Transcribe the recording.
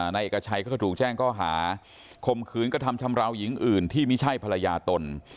นายเอกชัยก็ถูกแจ้งข้อหาข่มขืนกระทำชำราวหญิงอื่นที่ไม่ใช่ภรรยาตน